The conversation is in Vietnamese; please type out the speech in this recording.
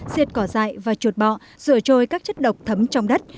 diệt cỏ dại và chuột bọ rửa trôi các chất độc thấm trong đất